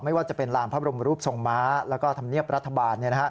ไม่ว่าจะเป็นลานพระบรมรูปทรงม้าแล้วก็ธรรมเนียบรัฐบาล